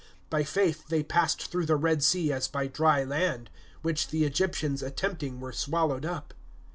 (29)By faith they passed through the Red sea as by dry land; which the Egyptians attempting were swallowed up.